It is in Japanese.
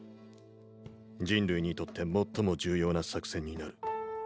人類にとって最も重要な作戦になる。